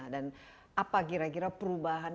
dan apa kira kira perubahan